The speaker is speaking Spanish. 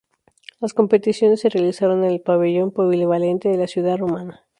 Las competiciones se realizaron en el Pabellón Polivalente de la ciudad rumana.